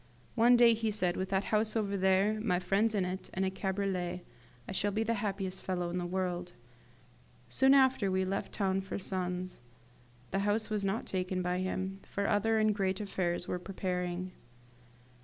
One day he said, "With that house over there, my friends in it, and a cabriolet, I shall be the happiest fellow in the world." We soon after left town for Sens. The house was not taken by him, for other and great affairs were preparing.